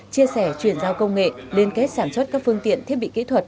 chia sẻ chuyển giao công nghệ liên kết sản xuất các phương tiện thiết bị kỹ thuật